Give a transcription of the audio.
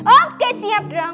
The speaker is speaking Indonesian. oke siap dong